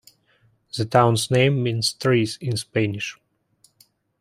The town's name means "trees" in Spanish.